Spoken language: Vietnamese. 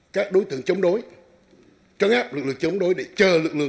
các đối tượng chống đối trấn áp lực lượng chống đối để chờ lực lượng